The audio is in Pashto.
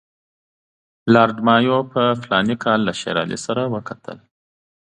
لارډ مایو په فلاني کال کې له شېر علي سره وکتل.